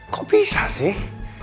kok bisa sih